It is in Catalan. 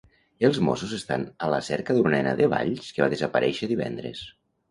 Els Mossos estan a la cerca d'una nena de Valls que va desaparèixer divendres.